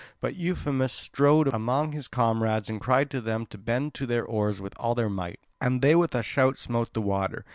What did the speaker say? But Euphemus strode among all his comrades and cried to them to bend to their oars with all their might; and they with a shout smote the water.